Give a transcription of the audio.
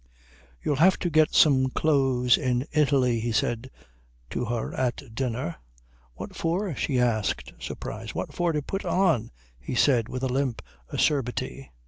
"You'll have to get some clothes in Italy," he said to her at dinner. "What for?" she asked, surprised. "What for? To put on," he said with a limp acerbity.